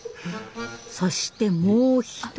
そしてもう一人。